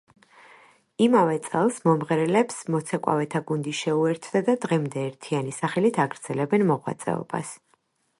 იმავე წელს მომღერლებს მოცეკვავეთა გუნდი შეუერთდა და დღემდე ერთიანი სახელით აგრძელებენ მოღვაწეობას.